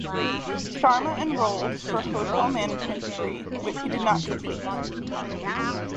Sharma enrolled for hotel management degree which he did not complete.